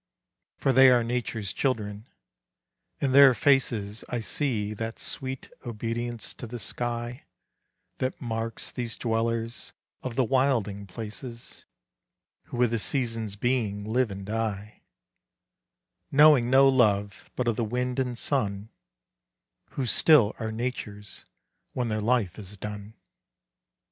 For they are nature's children; in their faces I see that sweet obedience to the sky That marks these dwellers of the wilding places, Who with the season's being live and die; Knowing no love but of the wind and sun, Who still are nature's when their life is done.